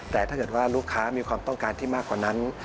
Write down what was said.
แต่ถ้าเกิดว่าลูกค้ามีความต้องการที่มากกว่านั้น